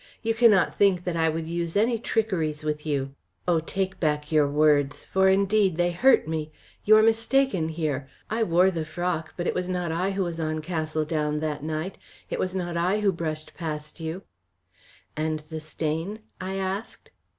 You cannot think that I would use any trickeries with you. Oh! take back your words! For indeed they hurt me. You are mistaken here. I wore the frock, but it was not I who was on Castle Down that night. It was not I who brushed past you " "And the stain?" I asked.